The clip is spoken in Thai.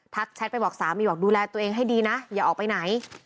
แชทไปบอกสามีบอกดูแลตัวเองให้ดีนะอย่าออกไปไหน